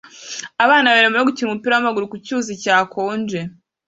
Abana babiri barimo gukina umupira wamaguru ku cyuzi cyakonje